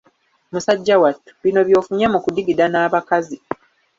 Musajja wattu, bino by'ofunye mu kudigida n'abakazi!